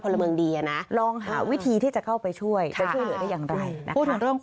ละเมืองดีอ่ะนะลองหาวิธีที่จะเข้าไปช่วยจะช่วยเหลือได้อย่างไรนะพูดถึงเรื่อง